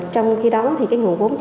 trong khi đó thì cái nguồn vốn cho